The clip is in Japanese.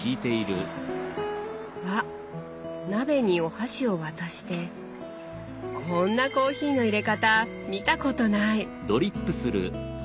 わ鍋にお箸を渡してこんなコーヒーのいれ方見たことない！